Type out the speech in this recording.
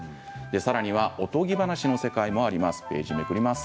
さらにはおとぎ話の世界もあります。